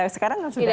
sekarang langsung ada